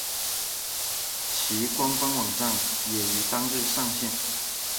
其官方网站也于当日上线。